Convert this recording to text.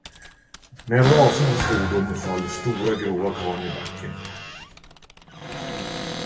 Med en rasande svordom föll stora, grova karlen i backen.